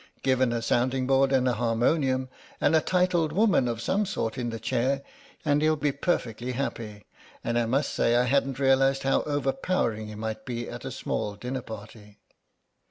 Given a sounding board and a harmonium, and a titled woman of some sort in the chair, and he'll be perfectly happy; I must say I hadn't realised how overpowering he might be at a small dinner party."